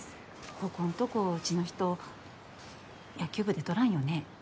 ここんとこうちの人野球部出とらんよね？